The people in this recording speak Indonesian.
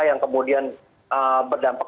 yang kemudian berdampak